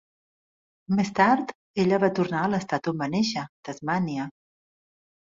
Més tard, ella va tornar a l'estat on va néixer, Tasmània.